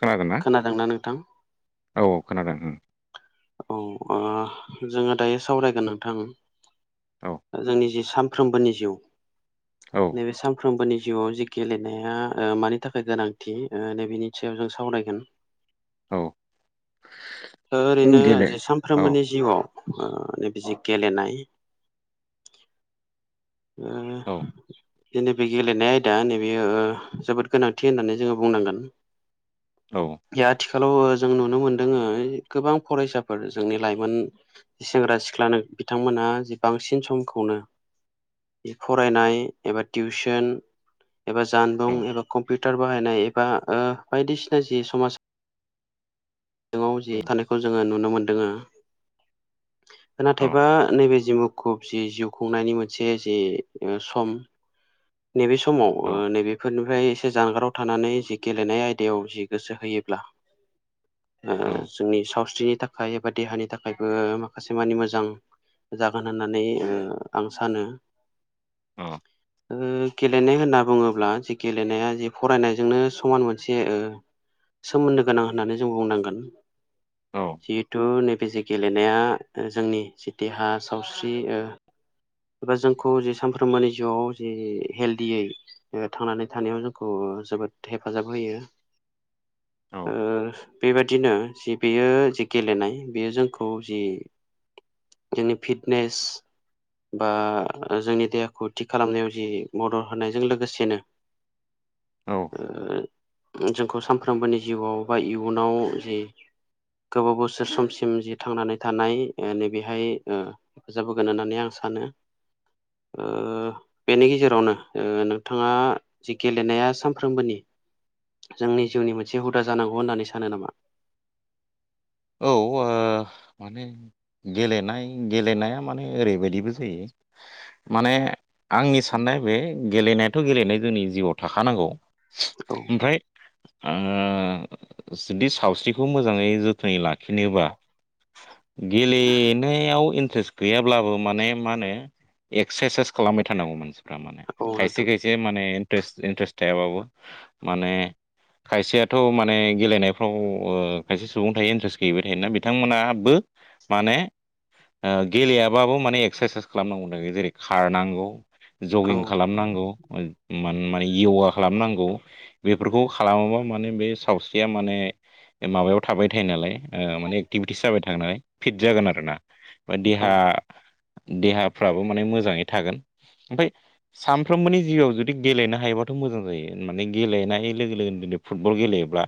खोनादों ना खोनादोंना नोंथां औ खोनादों ओं औ जोङो दायो सावरायगोन औ नोंथां जोंनि जि सान फ्रोमबोनि जिउ औ नैबे सानफ्रोमबोनि जिउआव जि गेलेनाया ओ मानि थाखाय गोनांथि ओ नै बेनि सायाव जों सावरायगोन औ ओरैनो उम गेले जे औ सानफ्रोमबोनि जिउआव ओ नैबे जे गेलेनाय औ ओ नैबे गेलेनाय आयदा नैबे जोबोद गोनांथि होननानै जोङो बुंनांगोन औ आथिखालाव जों नुनो मोनदों गोबां फरायसाफोर जोंनि लाइमोन सेंग्रा सिख्लानो बिथांमोना जे बांसिन समखौनो फरायनाय एबा टिउसन एबा जानबुं औ एबा कम्पिउ टार बाहायनाय एबा ओ बायदिसिना जि समाजाव जि औ थानाय ओ नुनो मोनदों ओ औ नाथायबा नैबे जि मुकुब जि जिउ खुंनायनि मोनसे जि सम नैबे समाव ओ नैबेफोर नु फ्राय एसे जानगाराव थानानै जि गेलेनाय आयदायाव जि गोसो होयोब्ला ओ औ जोंनि सावस्रिनि थाखाय एबा देहानि थाखायबो माखासे मानि मोजां जागोन होननानै ओ आं सानो ओ गेलेनाय होनना बुङोब्ला जे गेलेनाया जे फरायनायजोंनो समान मोनसे ओ सोमोन्दो गोनां होननानै जों बुंनांगोन जिहेथु नैे बे जे गेलेनाया ओ जोंनि जि देहा सावस्रि ओ बा जोंखौ जे सानफ्रोमबोनि जिउआव जि हेलदियै थांनानै थानायाव जोंखौ जोबो हेफाजाब होयो बेबायदिनो बेयो जि गेलेनाय बेयो जोंखौ जि जोंनि फिटनेस बा जोंनि देहाखौ थिग खालामनायाव जि मदद होनायजों लोगोसेनो औ ओ जोंखौ सानफ्रोमबोनि जिउआव बा इयुनाव जि गोबाव बोसोर समसिम जि थांनानै थानाय नैबेहाय ओ हेफाजाब होगोन होननानै आं सानो सानो ओ बेनि गेजेरावनो नोंथाङा जि गेलेनाया सानफ्रोमबोनि जोंनि जिउनि मोनसे हुदा जानांगौ होननानै सानो नामा औ ओ माने गेलेनाय गेलेनाया माने ओरैबायदिबो जायो माने आंनि साननाया बे गेलेनायाथ' गेलेनाय जोंनि जिउआव थाखानांगौ औ ओमफ्राय ओ जुदि सावस्रिखौ मोजाङै जोथ थोनै लाखिनोब्ला गेलेनायाव इन्ट्रेस गैयाब्लाबो माने मा होनो एक्सारसाइस खालामबाय थानांगौ मानसिफ्रा माने औ खायसे नोंथां खायसे माने इनट्रेस इन्टारेस थायाबाबो माने खायसेयाथ' माने गेलेनायफ्राव ओ खाय सुबुं थायो इन्ट्रेस्ट गैयैबो थायोना बिथांमोनाबो माने ओ गेलेयाबाबो माने एक्सारसाइस खालामनांगौ थाखाय जेरै खारनांगौ औ जगिं खालामनांगौ माने य'गा खालामनांगौ बेफोरखौ खालामोबा माने बे सावस्रिया माने बे माबायाव थाबाय थायो नालाय माने एक्टिभिटिस जाबाय थाग नालाय फिट जागोन आरोना बा औ देहा देहाफ्राबो माने मोजाङै थागोन ओमफ्राय सानफ्रोमबोनि जिउआव जुदि गेलेनो हायोबा माथे मोजां जायो होननानै गेलेनाय लोगो लोगो फुटबल गेलेबा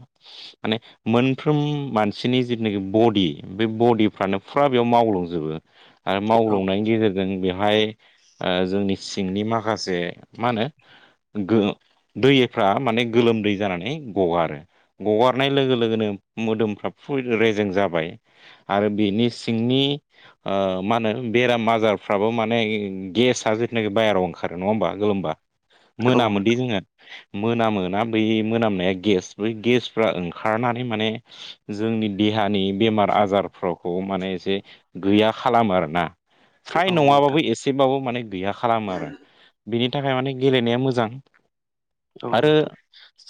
माने मोन फ्रोम मानसिनि जिथुनाखि बडि बे बडिफ्रानो फुरा बेयाव मावग्लुंजोबो आरो औ मावलांनायनि गेजेरजों बे हाय ओ जोंनि सिंनि माखासे मा होनो गो दैफ्रा माने गोलोमदै जानानै गगारो गगारनाय लोगो लोगोनो मोदोमफ्रा फु रेजें जाबाय आरो बेनि सिंनि मा होनो बेराम आजारफ्राबो माने गेसआ जिथुनाखि बाहेराव ओंखारो नङा होमबा गोलोमबा औ मोनामोनदि नोंथां जोङो मोना मोना बै मोनामोनाया गेस बै गेसफ्रा ओंखारनानै माने जोंनि देहानि बेमार आजारफोरखौ माने एसे गैया खालामो आरोना फ्राय औ नङाबाबो नोंथां एसेबाबो माने गैया खालामो आरो बिनि थाखाय माने गेलेनाया मोजां औ आरो नोंथां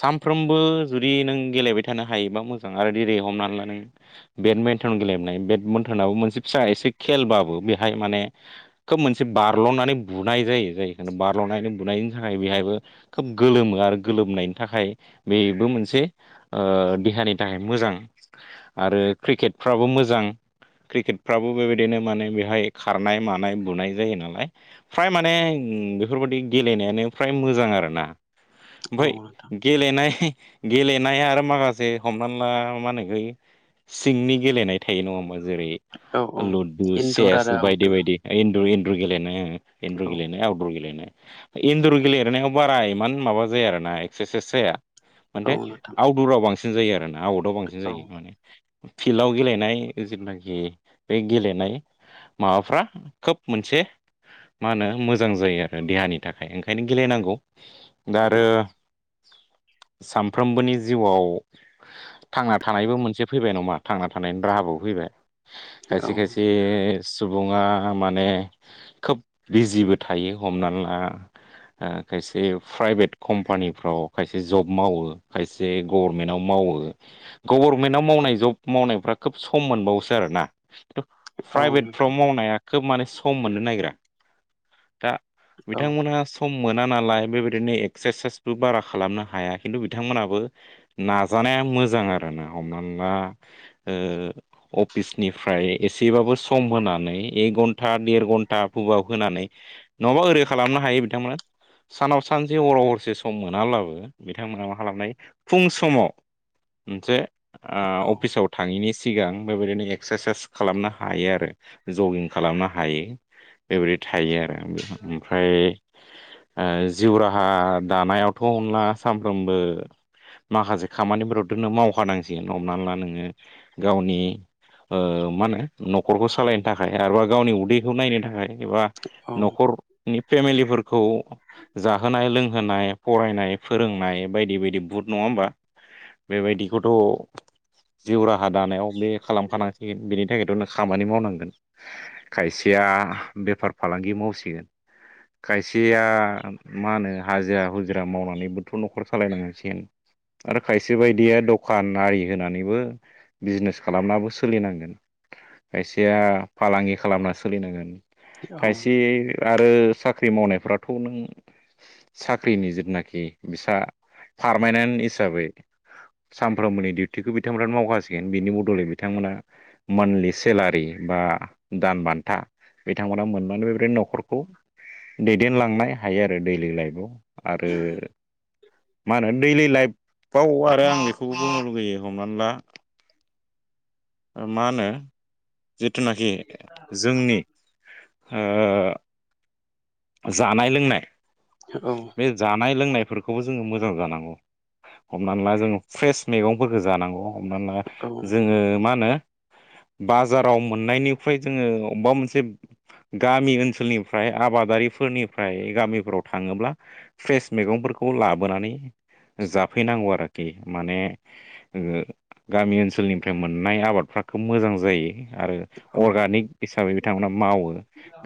सानफ्रोमबो जुदि नों गेलेबाय थानो हायोबा मो जां आरो दिनै हमनानै लानाय बेदमिन्टन गेलेबनाय बेदमिन्टनाबो मोनसे फिसा एसे खेलबाबो बेहाय माने खोब मोनसे बारल'नानै बुनाय जायो जाय बारल'नानै बुनायनि थाखाय बेहाय खोब गोलोमो आरो गोलोमनायनि थाखाय बेबो मोनसे ओ देहानि थाखाय मोजां आरो क्रिकेटफ्राबो मोजां क्रिकेटफ्राबो बेबायदिनो माने बेहाय खारनाय मानाय बुनाय जायो नालाय फ्राय माने बेफोरबायदि गेलेनायानो फ्राय मोजां आरो ना। औ ओमफ्राय नोंथां गेलेनाय गेलेनाया आरो माखासे हमना ला मा होनो गै सिंनि गेलेनाय थायो नङा होमबा जेरै औ औ लुदु इनदर चेस आरो बायदि आउटदर बायदि इदुरै इन्डुर गेलेनो औ इन्डुर गेलेनो आउटडुर गेलेनायनो इन्दुर गेलेनायाव बारा इमान माबा जाया आरोना एक्सारसाइस जाया। औ मानथे नोंथां आउटदराव बांसिन जायो आरोना आवटाव बांसिन औ जायो माने फिल्डआव गेलेनाय जेनाखि बे गेलेनाय माबाफ्रा खोब मोन मोनसे मा होनो मोजां जायो आरो देहानि थाखाय ओंखायनो गेलेनांगौ। दा औ आरो सानफ्रोमबोनि जिउआव थांना थानायबो मोनसे फैबाय नामा थांना थानायनि राहाबो फैबाय। औ खायसे खायसे सुबुङा माने खोब बिजिबो थायो हमनानै ला ओ खायसे प्राइभेट कम्पानिफ्राव खायसे जब मावो खायसे ग मेन्टव मावो गभर्नमेन्टव मावनाय जब मावनायफ्रा खोब सम मोनबावोसो आरो ना। औ नोंथां प्राइभेटफ्राव मावनाया खोब माने सम मोननो नागिरा। दा औ बिथांमोनहा सम मोना नालाय बेबायदिनो एक्सारसाइसबो बारा खालामनो हाया खिन्थु बिथांमोनहाबो नाजानाया मोजां आरो ना हमना ला ओ अफिसनिफ्राय एसेबाबो सम होनानै एक घन्टा देर घन्टा बबाव होनानै नङाबा ओरै खालामनो हायो। बिथांमोना सानाव सान से हराव हरसे सम मोनाब्लाबो बिथांमोना मा खालामनो जायो फुं समाव मोनसे औ ओ अफिसाव थाङैनि सिगां बेबायदिनो एक्सारसाइस खालामनो हायो आरो जगिं खालामनो हायो। बेबायदि थायो आरो ओमफ्राय ओ जिउरा हा दानायावथ' अनला सानफ्रोमबो माखासे खामानिफोरावथ' नों मावखानांसिगोन हमना ला नोङो गावनि मा होनो न'खरखौ सालायनो थाखाय आरोबा गावनि उदैखौ नायनो थाखाय एबा औ न'खरनि फेमिलिफोरखौ जाहोनाय लों होनाय फरायनाय फोरोंनाय बायदि बायदि बुथ नङा होमबा बेबायदिखौथ' जिउ राहा दानायाव बे खालामखानांसिगोन बेनि थाखायथ' नों खामानि मावनांगोन। खायसेया बेफार फालांगि मावसिगोन। खायसेया मा होनो हाजिरा हुजिरा मावनानैबोथ' न'खर सालायनांसिगोन। आरो खायसे बायदिया दखान आरि होनानैबो बिजनेस खालामनाबो सोलिनांगोन। खायसेया फालांगि खालामना सोलिनांगोन औ खायसे आरो साख्रि साख्रि मावनायफथ' नों साख्रिनि जिथुनाखि बि सार [unintelligible] हिसाबै सानफ्रोमबोनि डिउटिखौ बिथांमोनानो मावखासिगोन बिनि बदलै बिथांमोना मान्थलि सेलारि बा दान बान्था बिथांमोना मोननानै बेफोरदिनो न'खरखौ दैदेनलांनाय हायो आरो दैलि लाइफआव आरो मा होनो? दैलि लाइफआव आरो आं बेखौबो बुंनो लुुबैयो हमनानै ला मा होनो? जिथुनाखि जोंनि ओ जानाय लोंनाय औ बे जानाय लोंनायफोरखौ बे खौबो जोङो मोजां जानांगौ हमनानै ला जोङो फ्रेस मैगंफोरखौ जानांगौ। हमा जोङो मा होनो? बाजाराव मोननायनिफ्राय जोङो अबेबा मोनसे गामि ओनसोलनिफ्राय आबादारि फोरनिफ्राय गामिफोराव थाङोब्ला फ्रेस मैगंफोरखौ लाबोनानै जाफैनांगौ आरोखि माने गामि ओनसोलनिफ्राय मोननाय आबादफ्रा हााखौ मोजां जायो। आरो अर्गानिक हिसाबै बिथांमोना मावो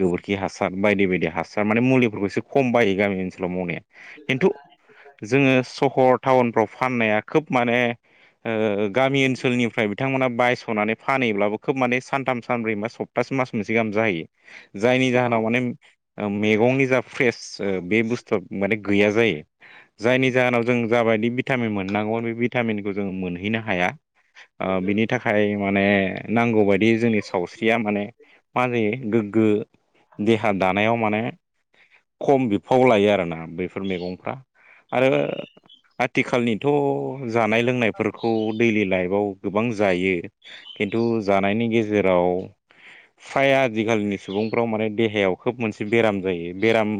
गोबोरखि हासार बायदि बायदि हासार सार माने मुलिफोरखौसो खम बायो गामिनि सार खिनथु जोङो सहर टाउनफोराव फाननाया खोब माने गामि ओनसोलनिफ्राय बिथांमोना बायस सुनानै फानैब्लाबो खोब माने सानथाम सानब्रै बा सप्तासे मास मोनसे गाहाम जाहायो। जायनि जाहोनाव माने मैगंनि जा फ्रेस बे बुस्थु माने गैया जायो जायनि जाहोनाव जों जाबायदि भिटामिन मोननांगौ बे भिटामिनखौ जोंङ मोनहैनो हाया बिनि थाखाय माने नांगौ बायदि जोंनि सावस्रिया माने मा जायो गोग्गो देहा दानायाव माने खम बिफाव लायो आरोना बैफोर मैगंफ्रा आरो आथिखालनिथ' जानाय लोंनायफोरखौ दैलि लाइफआव गोबां जायो खिन्थु जानायनि गेजेराव फाया आजिखालिनि सुबुंफ्राव माने देहायाव खोब मोनसे बेराम जायो बेराम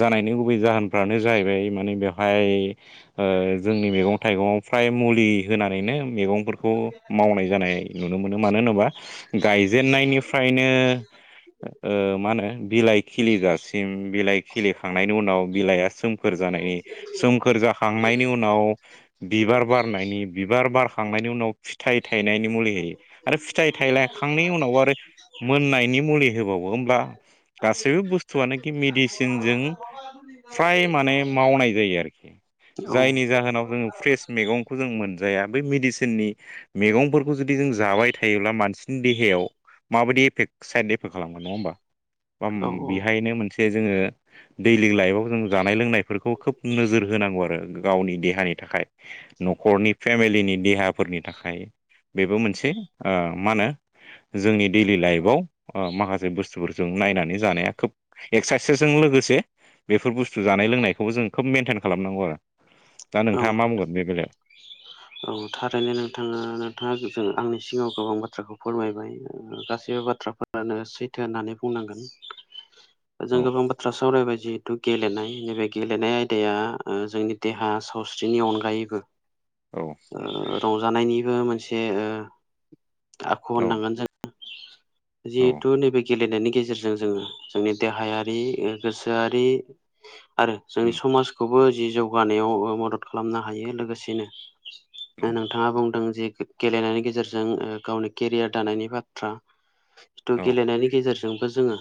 जानायनि गुबै जाहोनफ्रानो जाहैबाय माने बेवहाय जोंनि मैगं थाइग फ्राय मुलि होनानैनो म फोरखौ मावनाय जानाय नुनो मोनो मानो होनोबा गायजेननायनिफ्रायनो ओ मा होनो बिलाइ खिलिजासिम बिलाइ खिलिखांनायनि उनाव बिलाइ सोमखोर जानायनि सोमखोर जाखांनायनि उनाव बिबार बारनायनि बिबार बार खांनायनि उनाव फिथाइ थायनायनि मुलि होयो आरो फिथाइ थायलायखांनायनि उनावबो आरो मोननायनि मुलि होबावो होमब्ला गासैबो बुस्थुआनोखि मेडिसिनजों फ्राय माने मावनाय जायो आरोखि जायनि जाहोनाव जोङो फ्रेस मैगंखौ जों मोनजाया बै मेडिसिन इसोरनि मैगंफोरखौ जुदि जों जाबाय थायोब्ला मानसिनि देहायाव माबायदिफ साइद एफेक्ट खालामगोन नङा होमबा औ बेहायनो मोनसे जे जोङो दैलि लाइफआव जों जानाय लोंनायफोरखौ खोब नोजोर होनांगौ आरो गावनि देहानि थाखाय न'खरनि फेमिलिनि देहाफोरनि थाखाय बेबो मोनसे मा होनो जोंनि दैडलि लाइफआव माखासे बुस्थुफोरजों नायनानै जानाया खोब एक्सारसाइसजों लोगोसे बेफोर बुस्थु जानाय लोंनायखौबो जों खोब मेेनटेन खालामनांगौ आरो दा औ नोंथाङा मा बुंगोन बे बेलायाव नोंथां औ थारैनो नोंथाङा नोंथाङा जों आंनिसि सिङाव गोबां बाथ्राखौ फोरमायबाय गासैबो बाथ्राफोरानो सैथो होननानै बुंनांगोन। [inaudible] जों औ गोबां बाथ्रा सावरायबाय जिहेथु गेलेनाय नैबे गेलेनाय आयदाया जोंनि देहा सावस्रिनि अनगायैबो औ रं जानायनिबो मोनसे आख औ होननांगोन जों औ जिहेतु नैबे गेलेनायनायनि ग गेजेरजों जोङो जोंनि देहायारि गोसोआरि आरो जोंनि उम समाजखौबो जि जौगानायाव मदद खालामनो हायो लोगोसेनो उम नोंथाङा बुंदों जि गेलेनायनि गेजेरजों गावनि केरियार दानायनि बाथ्रा जिथु औ गेलेनायनि गेजेरजोंबो जोङो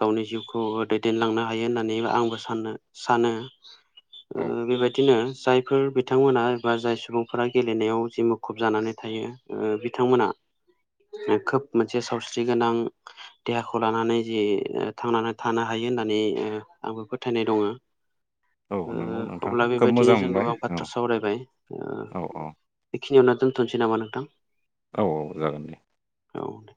गावनि जिउखौ दैदेनलांनो हायो होननानै आंबो सानो सानो औ बेबायदिनो जायफोर बिथांमोना एबा जाय सुबुंफोरा गेलेनायाव जि मुखुब जानानै थायो ओ बिथांमोना खोब मोनसे सावस्रि गोनां देहाखौ लानानै जि थांनानै थानो हायो होननानै ओ आंबो फोथायनाय दङ ओ औ नंगौ नोंथां अब्ला खोब बेबायदिनो मोजां जों मोनबाय गोबां औ बाथ्रा सावरायबाय ओ औ औ बेखिनियावनो दोनथनोसै नामा नोंथां औ औ जागोन दे औ